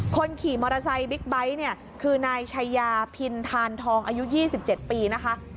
คนขี่มอเตอร์ไซค์บิ๊กไบท์เนี่ยคือนายชายาพินทานทองอายุ๒๗ปีนะคะ